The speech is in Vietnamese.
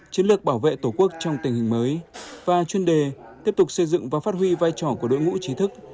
chiến lược bảo vệ tổ quốc trong tình hình mới và chuyên đề tiếp tục xây dựng và phát huy vai trò của đội ngũ trí thức